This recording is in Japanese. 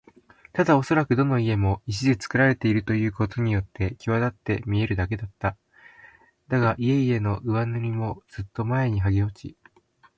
ただおそらくどの家も石でつくられているということによってきわだって見えるだけだった。だが、家々の上塗りもずっと前にはげ落ち、